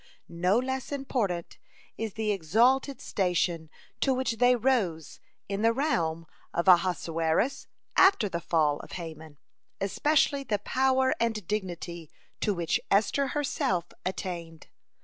No less important is the exalted station to which they rose in the realm of Ahasuerus after the fall of Haman, especially the power and dignity to which Esther herself attained.